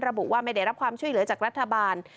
ระบุว่าไม่ได้รับความช่วยเหลือจากรัฐบาล